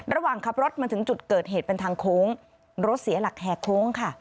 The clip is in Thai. ระหว่างขับรถมาถึงจุดเกิดเหตุเป็นทางโค้งรถเสียหลักแห่โค้งค่ะ